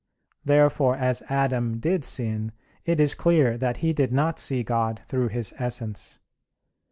Therefore, as Adam did sin, it is clear that he did not see God through His Essence.